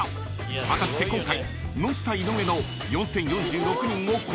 ［果たして今回］